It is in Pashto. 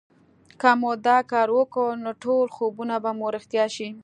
که مو دا کار وکړ نو ټول خوبونه به مو رښتيا شي